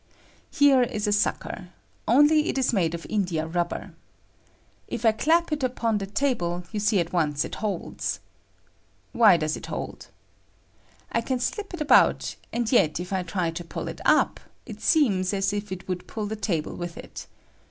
Here is a sucker, only it is made of India rub ber. If I clap it upon the table, you see at once it holds. Why does it hold ? I can slip it about, and yet if I try to pull it up, it seems aa if it would pull the table with it.